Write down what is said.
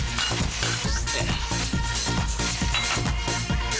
tutup pernikahan sama saya